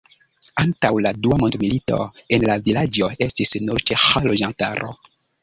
Antaŭ la dua mondmilito en la vilaĝo estis nur ĉeĥa loĝantaro.